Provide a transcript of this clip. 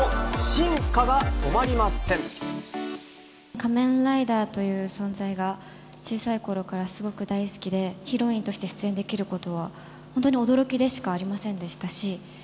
仮面ライダーという存在が、小さいころからすごく大好きで、ヒロインとして出演できることは、本当に驚きでしかありませんでしたし。